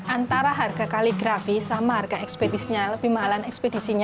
antara harga kaligrafi sama harga ekspedisinya lebih mahalan ekspedisinya